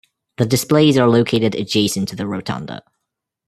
The displays are located adjacent to the rotunda.